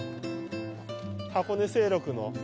箱根西麓の。